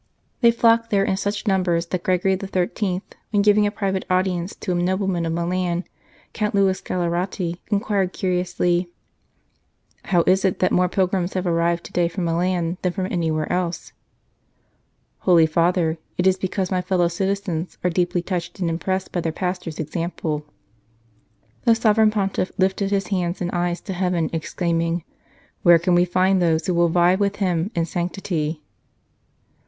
They flocked there in such numbers that Gregory XIII., when giving a private audience to a nobleman of Milan, Count Louis Gallerati, inquired curiously :" How is it that more pilgrims have arrived to day from Milan than from anywhere else ?"" Holy Father, it is because my fellow citizens are deeply touched and impressed by their pastor s example." The Sovereign Pontiff lifted his hands and eyes to heaven, exclaiming :" Where can we find those who will vie with him in sanctity